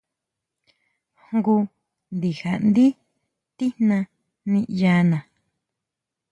Jngu ndija ndí tijna niʼyana.